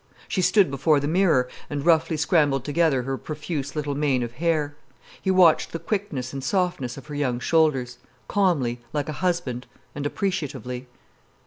She stood before the mirror and roughly scrambled together her profuse little mane of hair. He watched the quickness and softness of her young shoulders, calmly, like a husband, and appreciatively.